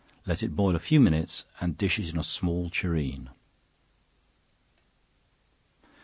Let it boil a few minutes, and dish it in a small tureen.